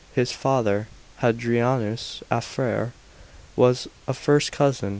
His father, Hadrianus Afer, was a first cousin of Trajan.